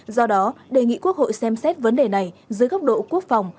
do đó đề nghị quốc hội xem xét vấn đề này dưới góc độ quốc phòng